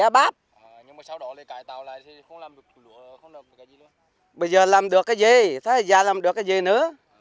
bây giờ làm được cái gì thế giờ làm được cái gì nữa